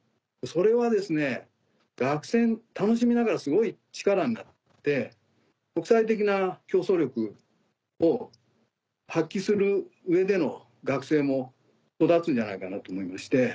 それは学生楽しみながらすごい力になって国際的な競争力を発揮する上での学生も育つんじゃないかなと思いまして。